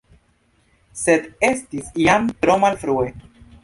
Sed estis jam tro malfrue.